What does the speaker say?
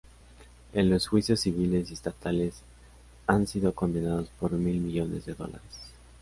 En los juicios civiles y estatales han sido condenados por mil millones de dólares.